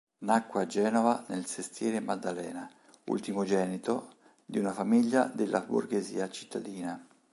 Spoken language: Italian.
Nacque a Genova nel sestiere Maddalena, ultimogenito, di una famiglia della borghesia cittadina.